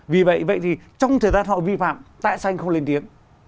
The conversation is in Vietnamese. vì vậy thì trong thời gian họ vi phạm tạ xanh không lên tiếng